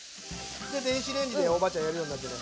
で電子レンジでおばあちゃんやるようになってね。